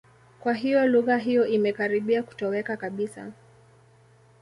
Kwa hiyo lugha hiyo imekaribia kutoweka kabisa.